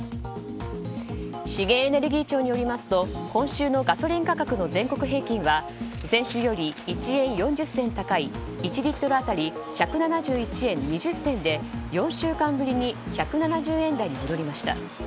資源エネルギー庁によりますと今週のガソリン価格の全国平均は先週より１円４０銭高い１リットル当たり１７１円２０銭で４週間ぶりに１７０円台に戻りました。